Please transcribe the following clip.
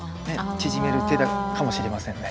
縮める手かもしれませんね。